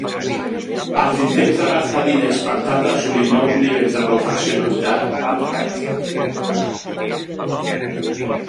Els intents de gastar diners per tal d'assolir nous nivells de professionalitat van fracassar.